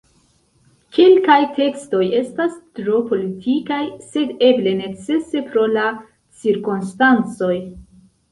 Kelkaj tekstoj estas tro politikaj, sed eble necese pro la cirkonstancoj.